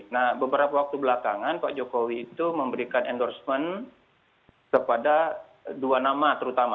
nah beberapa waktu belakangan pak jokowi itu memberikan endorsement kepada dua nama terutama